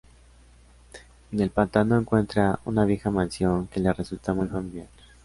En el pantano encuentra una vieja mansión, que le resulta muy familiar.